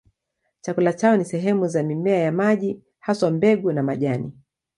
Chakula chao ni sehemu za mimea ya maji, haswa mbegu na majani.